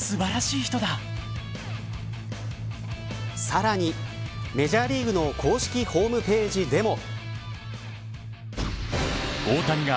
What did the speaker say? さらにメジャーリーグの公式ホームページでも。